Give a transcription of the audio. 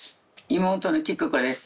妹の喜久子です。